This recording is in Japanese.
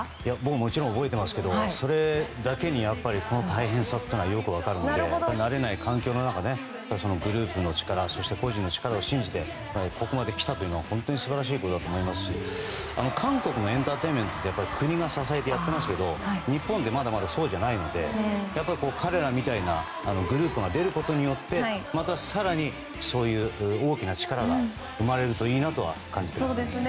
もちろん覚えてますけどそれだけにこの大変さというのは分かるので慣れない環境の中、グループの力そして個人の力を信じてここまで来たというのは本当に素晴らしいことだと思いますし韓国のエンターテインメントって国が支えてやっていますが日本ってまだまだそうじゃないので彼らみたいなグループが出ることによってまた更にそういう大きな力が生まれるといいなとは感じています。